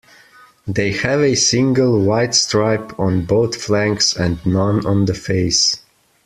They have a single white stripe on both flanks and none on the face.